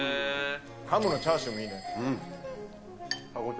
かものチャーシューもいいね。